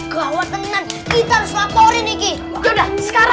gawat aku gak akan biziik